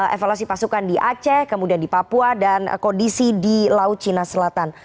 evaluasi pasukan di aceh kemudian di papua dan kondisi di laut cina selatan